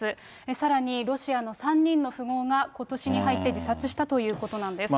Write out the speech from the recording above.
さらに、ロシアの３人の富豪がことしに入って自殺したということなんです。